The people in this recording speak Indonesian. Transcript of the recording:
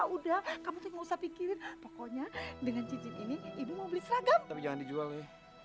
udah kamu tuh gak usah pikirin pokoknya dengan cincin ini ibu mau beli seragam tapi jangan dijual ya